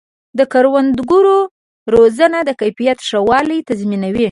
د کروندګرو روزنه د کیفیت ښه والی تضمینوي.